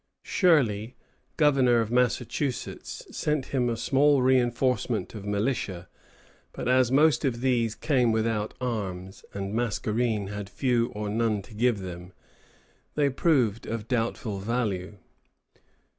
Shirley, governor of Massachusetts, sent him a small reinforcement of militia; but as most of these came without arms, and as Mascarene had few or none to give them, they proved of doubtful value.